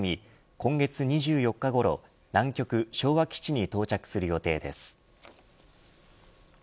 今月２４日ごろ南極、昭和基地に到着する予定です。